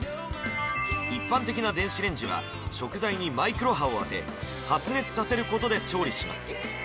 一般的な電子レンジは食材にマイクロ波をあて発熱させることで調理します